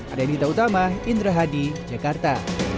ademita utama indra hadi jakarta